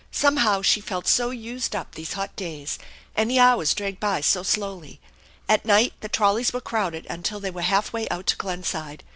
Somehow she felt so used up these hot days, and the hours dragged by so slowly. At night the trolleys were crowded until they were half way out to Glen side.